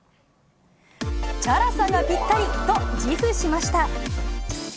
チャラさがぴったりと、自負しました。